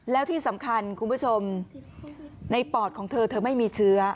แล้วที่สำคัญคุณผู้ชมในปอดของเธอเธอไม่มีเชื้อ